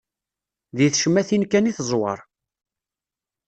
Di tecmatin kan i teẓwer.